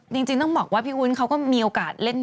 จริงต้องบอกว่าพี่วุ้นเขาก็มีโอกาสเล่น